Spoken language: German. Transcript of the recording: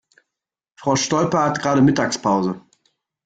Frau Stolpe hat gerade Mittagspause.